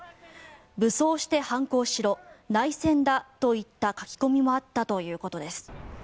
武装して反抗しろ内戦だといった書き込みもあったということです。